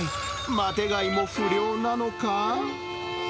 マテ貝も不漁なのか？